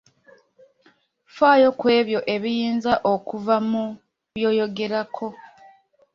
Faayo kwebyo ebiyinza okuva mu by'oyogerako.